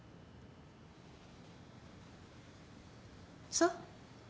そう。